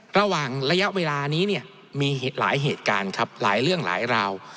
ระยะเวลานี้เนี่ยมีหลายเหตุการณ์ครับหลายเรื่องหลายราว